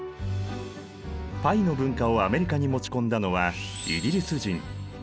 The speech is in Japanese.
パイの文化をアメリカに持ち込んだのはイギリス人。